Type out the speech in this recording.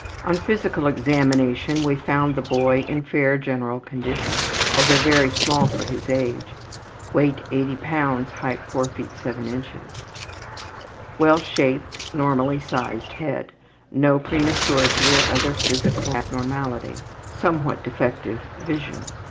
On physical examination we found the boy in fair general condition, although very small for his age. Weight 80 lbs.; height 4 ft. 7 in. Well shaped, normally sized head. No prematurity or other physical abnormality. Somewhat defective vision.